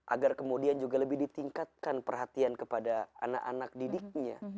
agar kemudian juga lebih ditingkatkan perhatian kepada anak anak didiknya